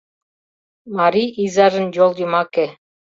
Мари изажын йол йымаке